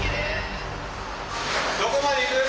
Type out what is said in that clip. どこまでいく？